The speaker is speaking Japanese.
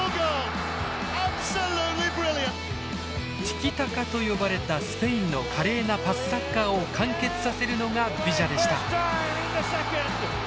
「ティキタカ」と呼ばれたスペインの華麗なパスサッカーを完結させるのがビジャでした。